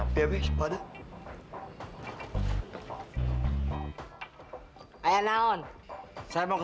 kemana gue tau